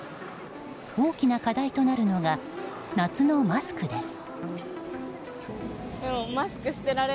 大きな課題となるのが夏のマスクです。